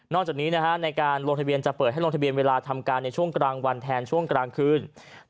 จากนี้ในการลงทะเบียนจะเปิดให้ลงทะเบียนเวลาทำการในช่วงกลางวันแทนช่วงกลางคืน